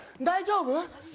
大丈夫？